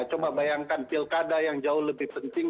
coba bayangkan pilkada yang jauh lebih penting